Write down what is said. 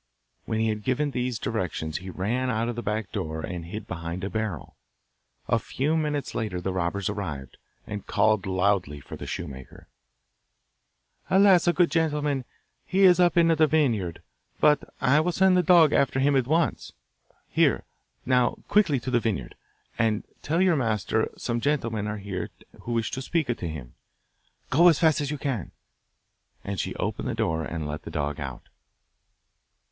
When he had given these directions he ran out of the back door and hid behind a barrel. A few minutes later the robbers arrived, and called loudly for the shoemaker. 'Alas! good gentlemen, he is up in the vineyard, but I will send the dog after him at once. Here! now quickly to the vineyard, and tell your master some gentlemen are here who wish to speak to him. Go as fast as you can.' And she opened the door and let the dog out.